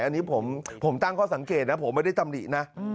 อันนี้ผมตั้งข้อสังเกตนะผมไม่ได้ตำหนินะ